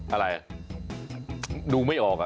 อะไรดูไม่ออก